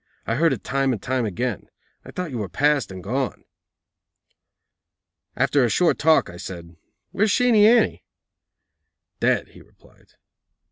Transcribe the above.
I heard it time and time again. I thought you were past and gone." After a short talk, I said: "Where's Sheenie Annie?" "Dead," he replied.